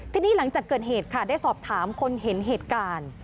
ทีนี้หลังจากเกิดเหตุค่ะได้สอบถามคนเห็นเหตุการณ์